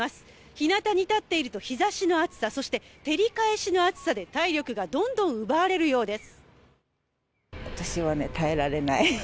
日向に立っていると日差しの熱さ、照り返しの熱さで体力がどんどん奪われるようです。